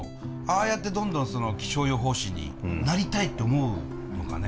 ああやってどんどん気象予報士になりたいって思うのかね